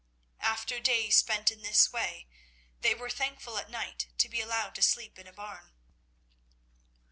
After days spent in this way, they were thankful at night to be allowed to sleep in a barn.